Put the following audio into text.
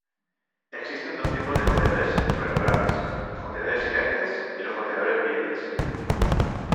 Existen dos tipos de contenedores sobrenaturales: los contenedores inertes y los contenedores vivientes.